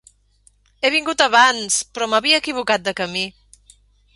He vingut abans, però m'havia equivocat de camí.